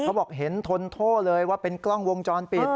เขาบอกเห็นทนโทษเลยว่าเป็นกล้องวงจรปิด